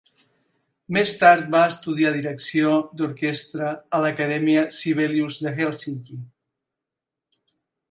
Més tard va estudiar direcció d'orquestra a l'Acadèmia Sibelius de Hèlsinki.